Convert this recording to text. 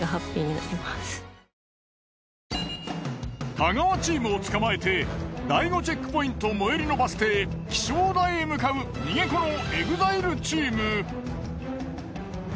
太川チームを捕まえて第５チェックポイント最寄りのバス停気象台へ向かう逃げ子のＥＸＩＬＥチーム。